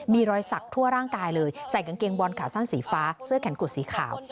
มีรอยสักทั่วร่างกายเลยใส่กางเกงบอลขาสั้นสีฟ้าเสื้อแขนกุดสีขาว